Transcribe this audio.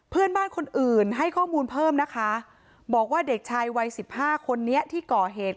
เพื่อนบ้านคนอื่นให้ข้อมูลเพิ่มนะคะบอกว่าเด็กชายวัยสิบห้าคนนี้ที่ก่อเหตุ